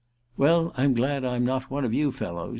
"Well I'm glad I'm not one of you fellows!"